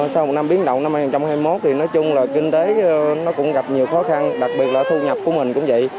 sau một năm biến động năm hai nghìn hai mươi một thì nói chung là kinh tế nó cũng gặp nhiều khó khăn đặc biệt là thu nhập của mình cũng vậy